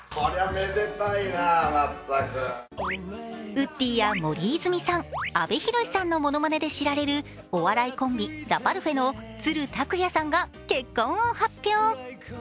ウッディや森泉さん、阿部寛さんのものまねで知られるお笑いコンビ、ラパルフェの都留拓也さんが結婚を発表。